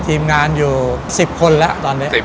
ทีมงานอยู่๑๐คนแล้วตอนนี้